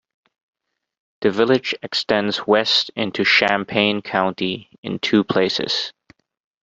The village extends west into Champaign County in two places.